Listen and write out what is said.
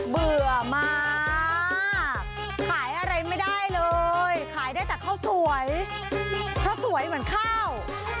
เบื่อมากขายอะไรไม่ได้เลยขายได้แต่ข้าวสวยเพราะสวยเหมือนข้าว